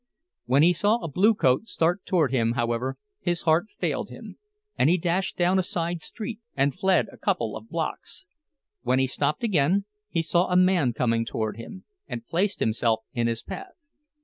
When he saw a blue coat start toward him, however, his heart failed him, and he dashed down a side street and fled a couple of blocks. When he stopped again he saw a man coming toward him, and placed himself in his path.